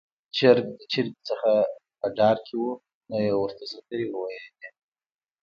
چرګ د چرګې څخه په ډار کې و، نو يې ورته سندرې وويلې